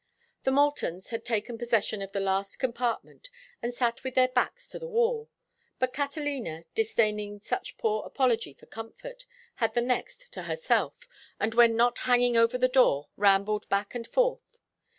The Moultons had taken possession of the last compartment and sat with their backs to the wall, but Catalina, disdaining such poor apology for comfort, had the next to herself, and when not hanging over the door rambled back and forth.